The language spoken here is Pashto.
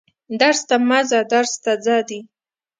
درس ته مه ځه درس ته ځه دي